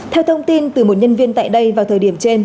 theo thông tin từ một nhân viên tại đây vào thời điểm trên